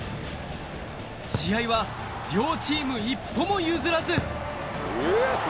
試合は両チーム一歩も譲らず。